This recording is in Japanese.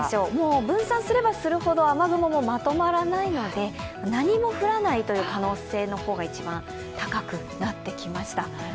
分散すればするほど雨雲もまとまらないので、何も降らないという可能性の方が一番高くなってきました。